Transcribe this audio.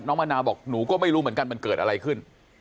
มะนาวบอกหนูก็ไม่รู้เหมือนกันมันเกิดอะไรขึ้น